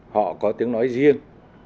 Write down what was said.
họ có tiếng nói riêng